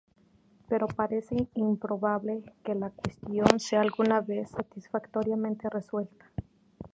Pero parece improbable que la cuestión sea alguna vez satisfactoriamente resuelta.